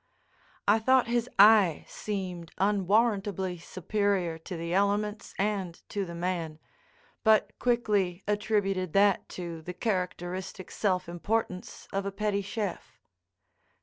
I thought his eye seemed unwarrantably superior to the elements and to the man, but quickly attributed that to the characteristic self importance of a petty chef.